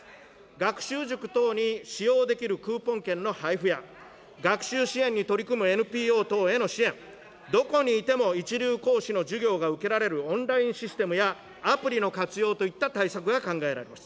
学習塾等に使用できるクーポン券の配布や、学習支援に取り組むＮＰＯ等への支援、どこにいても一流講師の授業が受けられるオンラインシステムや、アプリの活用といった対策が考えられます。